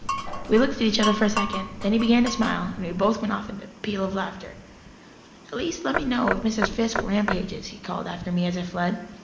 We looked at each other for a second. Then he began to smile, and we both went off into a peal of laughter. "At least let me know if Miss Fiske rampages," he called after me as I fled.